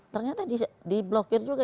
ternyata diblokir juga